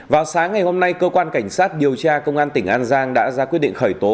vào sáng ngày hôm nay cơ quan cảnh sát điều tra công an tỉnh an giang đã ra quyết định khởi tố